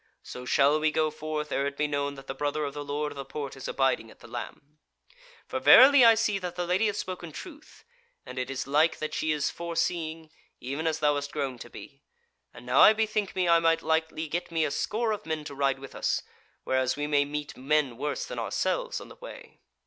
So shall we go forth ere it be known that the brother of the Lord of the Porte is abiding at the Lamb. For verily I see that the Lady hath spoken truth; and it is like that she is forseeing, even as thou hast grown to be. And now I bethink me I might lightly get me a score of men to ride with us, whereas we may meet men worse than ourselves on the way."